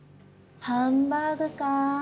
ハンバーグか。